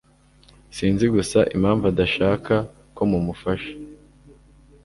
Sinzi gusa impamvu adashaka ko mumufasha.